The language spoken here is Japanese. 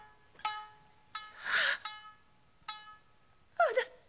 「あなた！」